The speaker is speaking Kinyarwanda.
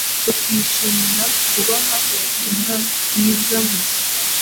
tukishimira kutabaha ubutumwa bwiza gusa,